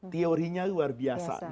teorinya luar biasa